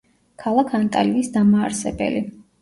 ქალაქ ანტალიის დამაარსებელი.